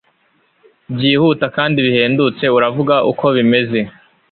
Byihuta kandi bihendutse uravuga uko bimeze